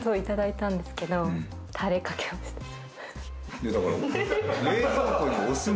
「いやだから」